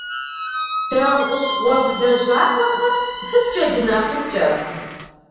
Дэ, гъущӏ гъуэгу лэжьакӏуэхэр, сыткӏэ дынэхъыкӏэ?